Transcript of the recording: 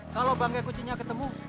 kalau bangga kucinya ketemu